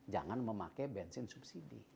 jangan memakai bensin subsidi